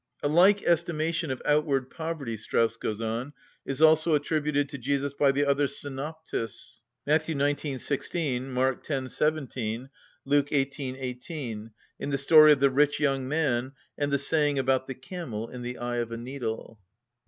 "A like estimation of outward poverty," Strauss goes on, "is also attributed to Jesus by the other synoptists (Matt. xix. 16; Mark x. 17; Luke xviii. 18), in the story of the rich young man and the saying about the camel and the eye of a needle."